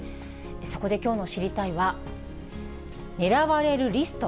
そこできょうの知りたいは、狙われるリスト。